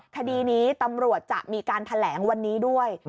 คดีนี้ตำรวจจะมีการแถลงวันนี้ด้วย